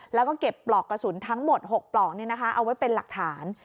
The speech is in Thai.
แล้วก็เก็บปลอกกระสุนทั้งหมด๖ปลอกเอาไว้เป็นหลักฐาน